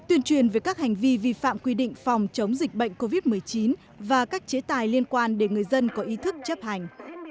tuyên truyền về các hành vi vi phạm quy định phòng chống dịch bệnh covid một mươi chín và các chế tài liên quan để người dân có ý thức chấp hành